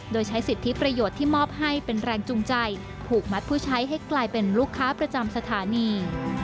โดยใช้สิทธิประโยชน์ที่มอบให้เป็นแรงจูงใจผูกมัดผู้ใช้ให้กลายเป็นลูกค้าประจำสถานี